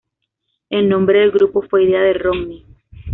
El nombre del grupo fue idea de Ronny.